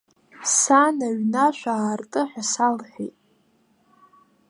Сан аҩнашә аарты ҳәа салҳәеит.